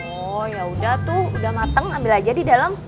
oh yaudah tuh udah matang ambil aja di dalam